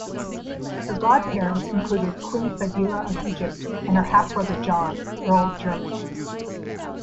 Her godparents included Queen Fadila of Egypt and her half-brother John, Earl Jermyn.